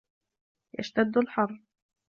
يَشْتَدُّ الْحَرُّ.